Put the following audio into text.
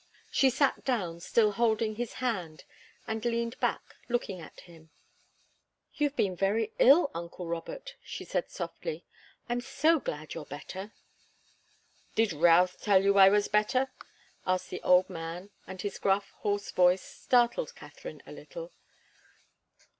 She sat down, still holding his hand, and leaned back, looking at him. "You've been very ill, uncle Robert," she said, softly. "I'm so glad you're better." "Did Routh tell you I was better?" asked the old man, and his gruff, hoarse voice startled Katharine a little.